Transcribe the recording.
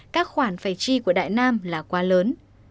đề chi của đại nam là quá lớn